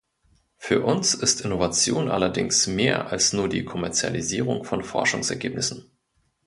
Für uns ist Innovation allerdings mehr als nur die Kommerzialisierung von Forschungsergebnissen.